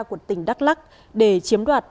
của tỉnh đắk lắc để chiếm đoạt